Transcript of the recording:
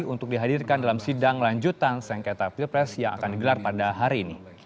untuk dihadirkan dalam sidang lanjutan sengketa pilpres yang akan digelar pada hari ini